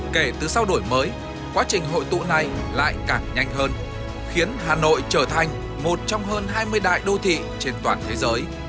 kể từ sau đổi mới quá trình hội tụ này lại càng nhanh hơn khiến hà nội trở thành một trong hơn hai mươi đại đô thị trên toàn thế giới